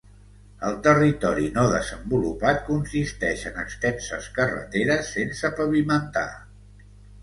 El territori no desenvolupat consisteix en extenses carreteres sense pavimentar.